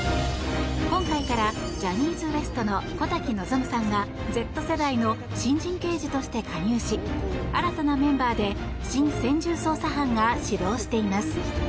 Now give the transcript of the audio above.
今回からジャニーズＷＥＳＴの小瀧望さんがＺ世代の新人刑事として加入し新たなメンバーで新専従捜査班が指導しています。